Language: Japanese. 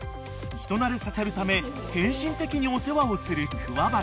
［人なれさせるため献身的にお世話をする桑原］